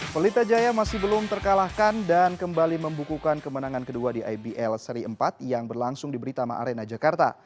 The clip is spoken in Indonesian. pelita jaya masih belum terkalahkan dan kembali membukukan kemenangan kedua di ibl seri empat yang berlangsung di britama arena jakarta